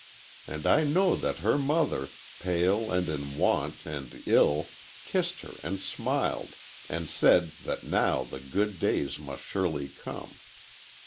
And I know that her mother, pale, and in want, and ill, kissed her and smiled, and said that now the good days must surely come.